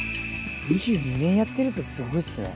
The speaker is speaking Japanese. ２２年やってるってすごいですね。